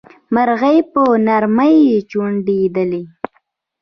مرغۍ په نرمۍ چوڼيدلې.